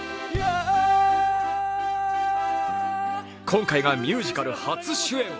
今回がミュージカル初主演。